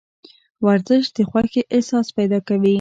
ورزش د خوښې احساس پیدا کوي.